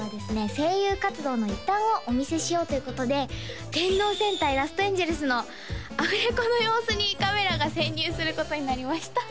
声優活動の一端をお見せしようということで「電脳戦隊ラストエンジェルス」のアフレコの様子にカメラが潜入することになりました